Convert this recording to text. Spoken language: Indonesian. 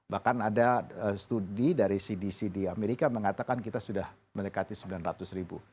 bahkan ada studi dari cdc di amerika mengatakan kita sudah mendekati sembilan ratus ribu